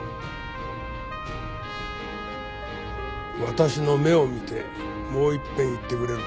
私の目を見てもういっぺん言ってくれるか？